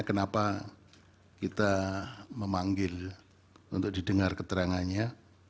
kenapa kita memanggil untuk didengar keterangannya